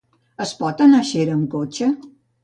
Es pot anar a Xera amb cotxe?